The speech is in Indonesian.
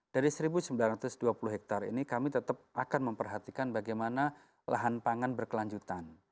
dari seribu sembilan ratus dua puluh hektare ini kami tetap akan memperhatikan bagaimana lahan pangan berkelanjutan